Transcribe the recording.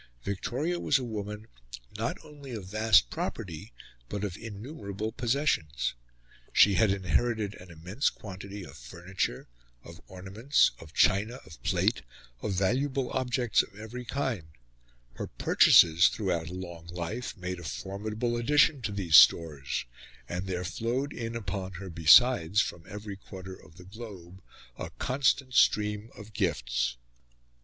Victoria was a woman not only of vast property but of innumerable possessions. She had inherited an immense quantity of furniture, of ornaments, of china, of plate, of valuable objects of every kind; her purchases, throughout a long life, made a formidable addition to these stores; and there flowed in upon her, besides, from every quarter of the globe, a constant stream of gifts.